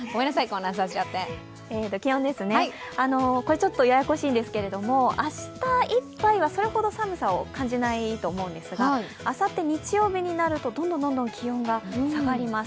ちょっとややこしいんですけれども、明日いっぱいはそれほど寒さを感じないと思うんですが、あさって日曜日になるとどんどん気温が下がります。